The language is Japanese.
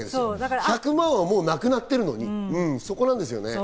１００万はもうなくなってるのに、そこなんですよね。